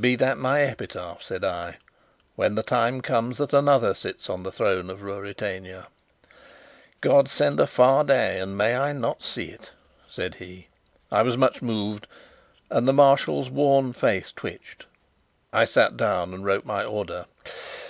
"Be that my epitaph," said I, "when the time comes that another sits on the throne of Ruritania." "God send a far day, and may I not see it!" said he. I was much moved, and the Marshal's worn face twitched. I sat down and wrote my order.